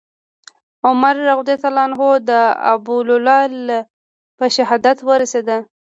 عمر رضي الله عنه د ابولؤلؤ له په شهادت ورسېد.